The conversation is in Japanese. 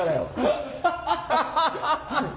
ハハハハハ！